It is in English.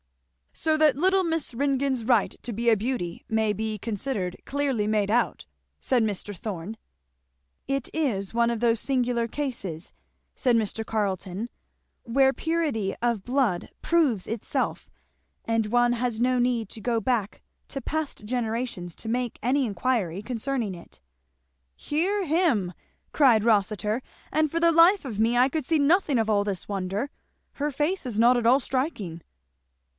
"So that little Miss Ringgan's right to be a beauty may be considered clearly made out," said Mr. Thorn. "It is one of those singular cases," said Mr. Carleton, "where purity of blood proves itself, and one has no need to go back to past generations to make any inquiry concerning it." "Hear him!" cried Rossitur; "and for the life of me I could see nothing of all this wonder. Her face is not at all striking."